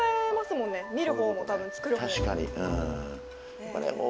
見る方も多分作る方も。